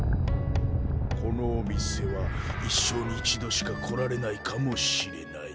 このお店は一生に一度しか来られないかもしれない。